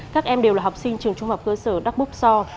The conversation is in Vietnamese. các em đều là học sinh trường trung học cơ sở đắc búc so